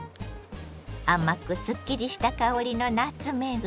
甘くすっきりした香りのナツメグ。